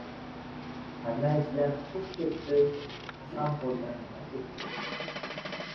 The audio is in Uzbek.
Karnaychidan puf ketdi, qasamxo‘rdan nima ketdi?